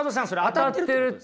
当たってるっていうか